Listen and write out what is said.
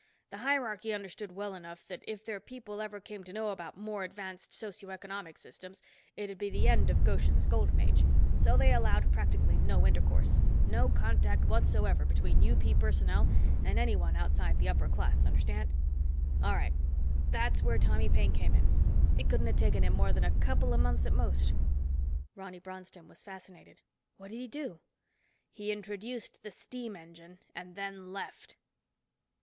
The hierarchy understood well enough that if their people ever came to know about more advanced socio economic systems it'd be the end of Goshen's Golden Age. So they allowed practically no intercourse. No contact whatsoever between UP personnel and anyone outside the upper class, understand? All right. That's where Tommy Paine came in. It couldn't have taken him more than a couple of months at most." Ronny Bronston was fascinated. "What'd he do?" "He introduced the steam engine, and then left."